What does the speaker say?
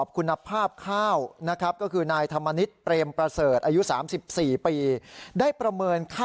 คุณภาพข้าวนะครับ